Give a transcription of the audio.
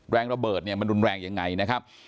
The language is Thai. ระเบิดเนี่ยมันรุนแรงยังไงนะครับ